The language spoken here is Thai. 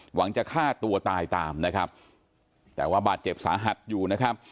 หวังจะฆ่าตัวตายตามแต่ว่าบาดเจ็บสาหัสอยู่